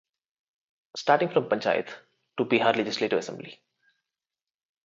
Starting from Panchayat to Bihar legislative Assembly.